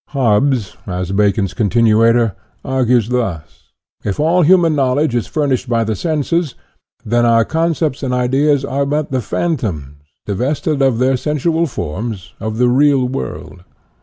" Hobbes, as Bacon's continuator, argues thus : if all human knowledge is furnished by the senses, then our concepts and ideas are but the phan toms, divested of their sensual forms, of the real world.